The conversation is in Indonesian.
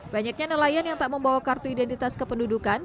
banyaknya nelayan yang tak membawa kartu identitas kependudukan